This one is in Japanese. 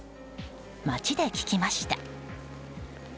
街で聞きました。